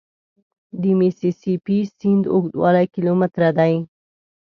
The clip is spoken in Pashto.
د میسي سي پي سیند اوږدوالی کیلومتره دی.